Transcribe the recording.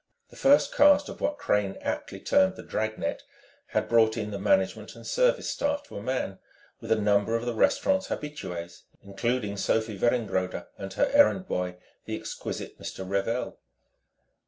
The first cast of what Crane aptly termed the dragnet had brought in the management and service staff to a man, with a number of the restaurant's habitues, including Sophie Weringrode and her errand boy, the exquisite Mr. Revel.